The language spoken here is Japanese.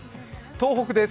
東北です。